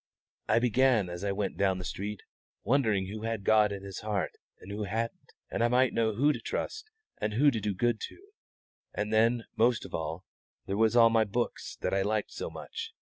I began, as I went down the street, wondering who had God in his heart and who hadn't, that I might know who to trust and who to try to do good to. And then, most of all, there was all my books that I liked so much.